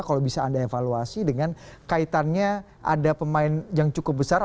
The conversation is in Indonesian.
kalau bisa anda evaluasi dengan kaitannya ada pemain yang cukup besar